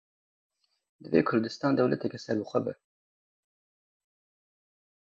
Divê Kurdistan dewleteke serbixwe ba.